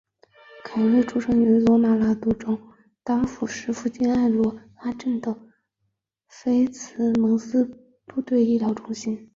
凯瑞出生于科罗拉多州丹佛市附近爱罗拉镇的菲兹蒙斯部队医疗中心。